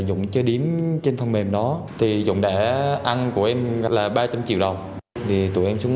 dũng chơi điếm trên phần mềm đó thì dũng đã ăn của em là ba trăm triệu đồng thì dũng đã ăn của em là ba trăm triệu đồng